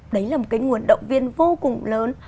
đấy là một cái nguồn động viên vô cùng lớn